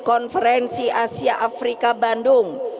konferensi asia afrika bandung